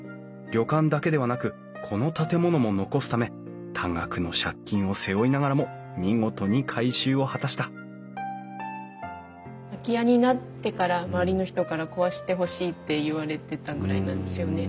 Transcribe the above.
旅館だけではなくこの建物も残すため多額の借金を背負いながらも見事に改修を果たした空き家になってから周りの人から壊してほしいって言われてたぐらいなんですよね。